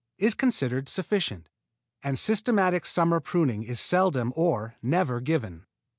is considered sufficient, and systematic summer pruning is seldom or never given.